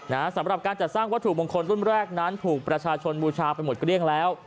สำหรับการจัดสร้างวัตถุมงคลรุ่นแรกนั้นถูกประชาชนบูชาไปหมดเกลี้ยงแล้ว